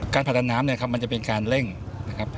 ผลักดันน้ำเนี่ยครับมันจะเป็นการเร่งนะครับ